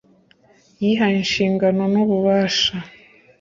yahaye inshingano n ububasha